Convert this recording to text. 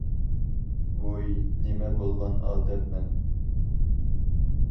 -ۋوي نېمە بولغان ئادەم مەن؟ !